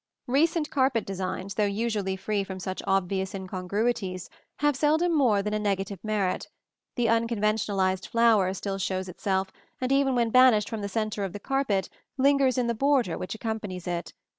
Recent carpet designs, though usually free from such obvious incongruities, have seldom more than a negative merit. The unconventionalized flower still shows itself, and even when banished from the centre of the carpet lingers in the border which accompanies it.